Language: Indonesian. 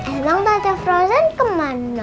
emang tante frozen kemana